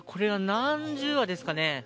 何十羽ですかね。